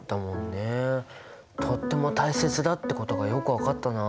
とっても大切だってことがよく分かったな。